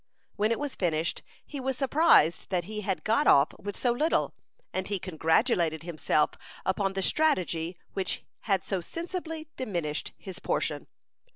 When it was finished, he was surprised that he had got off with so little; and he congratulated himself upon the strategy which had so sensibly diminished his portion.